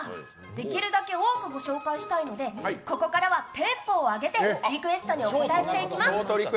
できるだけ多くご紹介したいので、ここからはテンポを上げてリクエストにお応えしていきます。